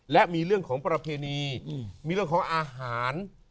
และมีเรื่องของประเพณีมีเรื่องของอาหาร